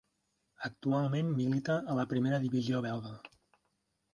Actualment milita a la primera divisió belga.